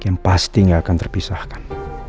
yang pasti gak akan terpisahkan